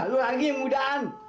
lo lagi yang mudahan